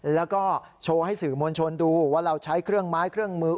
แล้วก็โชว์ให้สื่อมวลชนดูว่าเราใช้เครื่องไม้เครื่องมือ